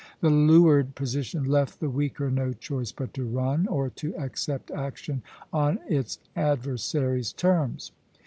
The leeward position left the weaker no choice but to run, or to accept action on its adversary's terms.